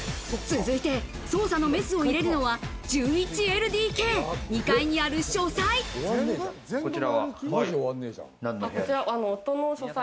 続いて捜査のメスを入れるのは、１１ＬＤＫ、２階にある書斎。